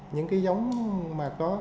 những giống có khả năng tìm năng lớn